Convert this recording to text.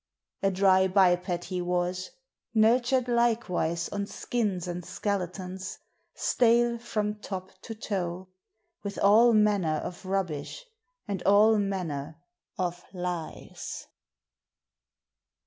A dry biped he was, nurtured likewise On skins and skeletons, stale from top to toe With all manner of rubbish and all manner of lies.